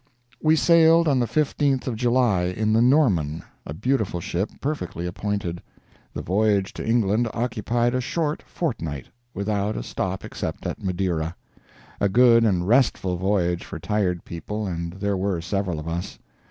We sailed on the 15th of July in the Norman, a beautiful ship, perfectly appointed. The voyage to England occupied a short fortnight, without a stop except at Madeira. A good and restful voyage for tired people, and there were several of us.